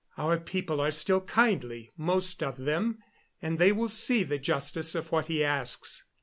Our people still are kindly most of them and they will see the justice of what he asks."